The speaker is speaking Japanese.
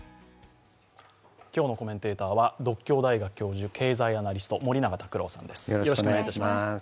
今日のコメンテーターは独協大学教授・経済アナリストの森永卓郎さんです。